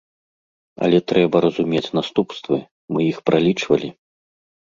Але трэба разумець наступствы, мы іх пралічвалі.